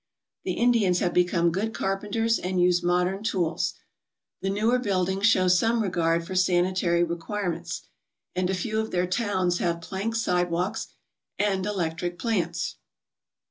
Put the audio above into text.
The Indians have become good carpenters and use modern tools. The newer buildings show some regard for sanitary requirements, and a few of their towns have plank sidewalks and electric plants.